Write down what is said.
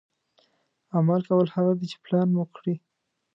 عمل کول هغه دي چې پلان مو کړي.